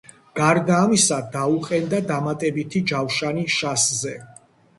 გარდა ამისა დაუყენდა დამატებითი ჯავშანი შასზე.